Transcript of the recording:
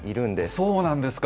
そうなんですか。